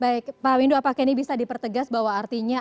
baik pak windu apakah ini bisa dipertegas bahwa artinya